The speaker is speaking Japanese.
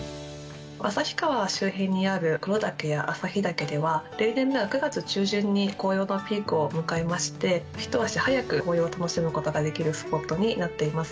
旭川周辺にある黒岳や旭岳では、例年では９月中旬に紅葉のピークを迎えまして、一足早く紅葉を楽しむことができるスポットになっています。